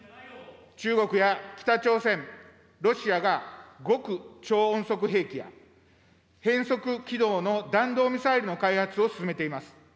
中国や北朝鮮、ロシアが、極超音速兵器や変則軌道の弾道ミサイルの開発を進めています。